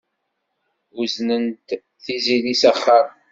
Uznent Tiziri s axxam.